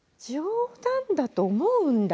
冗談だと思うんだ？